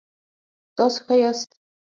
تاسو ښه یاست؟